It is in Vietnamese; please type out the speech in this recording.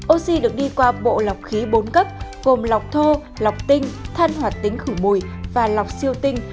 oxy được đi qua bộ lọc khí bốn cấp gồm lọc thô lọc tinh than hoạt tính khử mùi và lọc siêu tinh